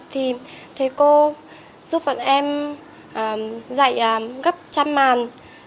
thì thầy cô giúp bọn em dạy gấp trăm màn